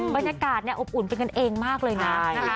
บรรยากาศอบอุ่นเป็นกันเองมากเลยนะคะ